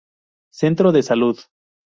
Centro de salud.